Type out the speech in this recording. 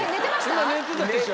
今寝てたでしょ？